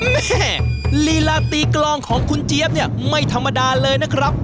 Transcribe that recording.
ลีลาตีกลองของคุณเจี๊ยบเนี่ยไม่ธรรมดาเลยนะครับ